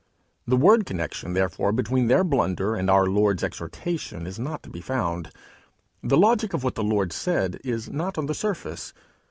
The word connection therefore between their blunder and our Lord's exhortation, is not to be found; the logic of what the Lord said, is not on the surface.